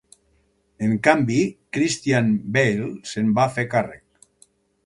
En canvi, Christian Bale se'n va fer càrrec.